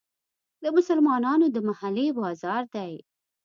د مسلمانانو د محلې بازار دی.